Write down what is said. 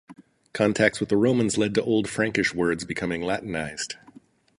Contacts with the Romans led to Old Frankish words becoming Latinized.